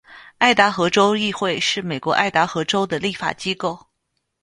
爱达荷州议会是美国爱达荷州的立法机构。